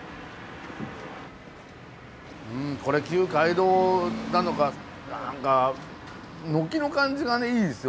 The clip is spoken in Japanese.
これ旧街道なのか何か軒の感じがねいいですよね。